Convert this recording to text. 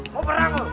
mau perang lah